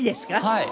はい。